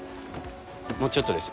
もうちょっとです。